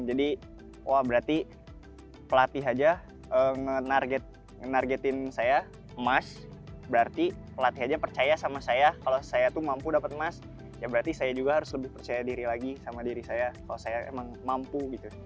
jadi berarti pelatih aja ngenargetin saya emas berarti pelatih aja percaya sama saya kalau saya tuh mampu dapat emas ya berarti saya juga harus lebih percaya diri lagi sama diri saya kalau saya emang mampu gitu